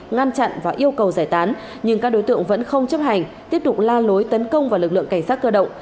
ngăn chặn và yêu cầu giải tán nhưng các đối tượng vẫn không chấp hành tiếp tục la lối tấn công vào lực lượng cảnh sát cơ động